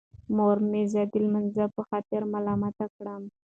مور مې زه د لمونځ په خاطر ملامت کړم.